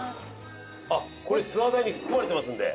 あっこれツアー代に含まれてますので。